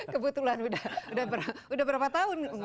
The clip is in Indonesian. kebetulan udah berapa tahun